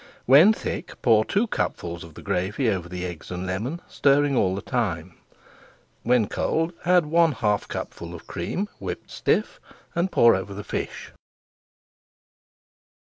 When thick, pour two cupfuls of the gravy over the eggs and lemon, stirring all the time. When cold, add one half cupful of cream whipped stiff, and pour over the fish.